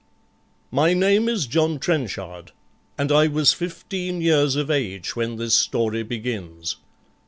My name is John Trenchard, and I was fifteen years of age when this story begins.